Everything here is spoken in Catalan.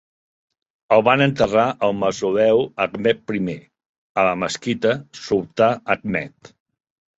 El van enterrar al mausoleu Ahmed I, a la mesquita Sultà Ahmed.